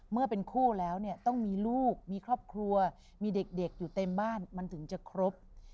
เมื่อเป็นคู่แล้วเนี่ยต้องมีลูกมีครอบครัวมีเด็กอยู่เต็มบ้านมันถึงจะครบ